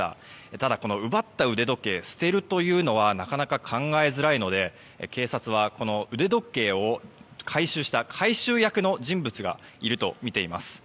ただ、奪った腕時計を捨てるというのはなかなか考えづらいので警察は腕時計を回収した回収役の人物がいるとみています。